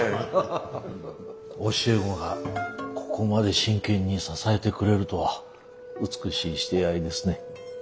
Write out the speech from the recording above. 教え子がここまで真剣に支えてくれるとは美しい師弟愛ですね。